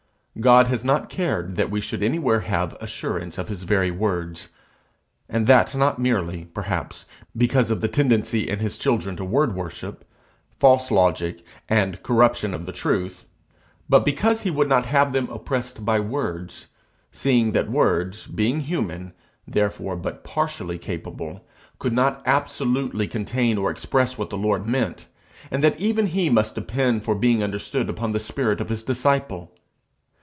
God has not cared that we should anywhere have assurance of his very words; and that not merely, perhaps, because of the tendency in his children to word worship, false logic, and corruption of the truth, but because he would not have them oppressed by words, seeing that words, being human, therefore but partially capable, could not absolutely contain or express what the Lord meant, and that even he must depend for being understood upon the spirit of his disciple.